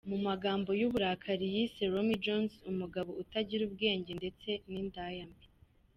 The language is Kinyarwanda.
Mu magambo y’uburakari yise Romy Jones umugabo utagira ubwenge ndetse n’‘indaya mbi.